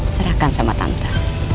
serahkan sama tante